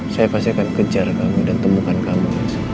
saya pasti akan kejar kamu dan temukan kamu